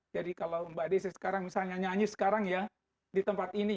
jadi kalau mbak desi sekarang misalnya nyanyi sekarang ya di tempat ini